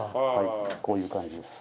こういう感じです。